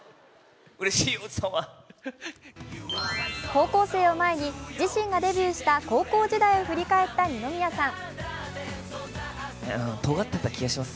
高校生を前に、自身がデビューした高校時代を振り返った二宮さん。